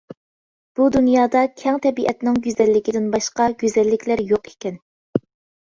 بۇ دۇنيادا كەڭ تەبىئەتنىڭ گۈزەللىكىدىن باشقا گۈزەللىكلەر يوق ئىكەن.